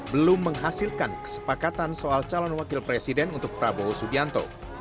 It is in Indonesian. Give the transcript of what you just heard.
belum menghasilkan kesepakatan soal calon wakil presiden untuk prabowo subianto